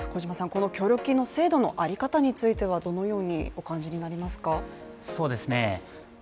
この協力金の制度のあり方についてはどのようにお感じになりますか。